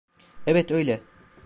Evet, öyle.